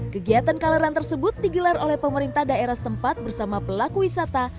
kegiatan coloran tersebut digelar oleh pemerintah daerah setempat bersama pelaku wisata